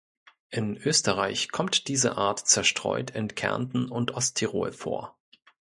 In Österreich kommt diese Art zerstreut in Kärnten und Osttirol vor.